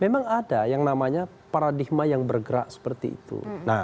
memang ada yang namanya paradigma yang bergerak seperti itu